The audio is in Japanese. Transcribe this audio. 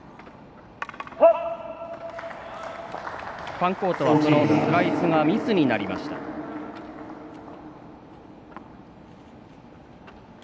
ファンコートはスライスがミスになりました。